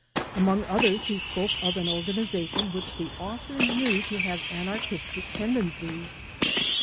Among others he spoke of an organization which the author knew to have anarchistic tendencies.